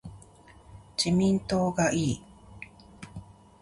自民党がいい